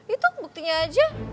itu buktinya aja